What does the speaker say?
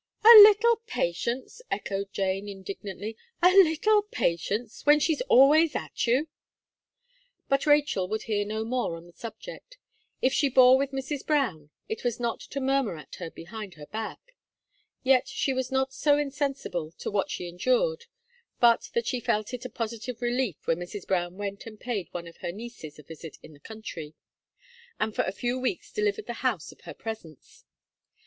"A little patience!" echoed Jane, indignantly, "a little patience! when she's always at you." But Rachel would hear no more on the subject. If she bore with Mrs. Brown, it was not to murmur at her behind her back. Yet she was not so insensible to what she endured, but that she felt it a positive relief when Mrs. Brown went and paid one of her nieces a visit in the country, and for a few weeks delivered the house of her presence.